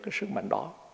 cái sức mạnh đó